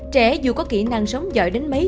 trẻ dù có kỹ năng sống giỏi đến mấy